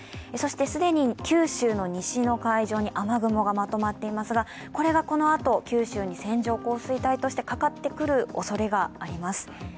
既に九州の西の海上に雨雲がまとまっていますが、これがこのあと、九州に線状降水帯としてかかってくるおそれがあります。